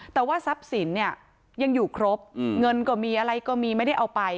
แต่ว่าทรัพย์สินเนี่ยยังอยู่ครบเงินก็มีอะไรก็มีไม่ได้เอาไป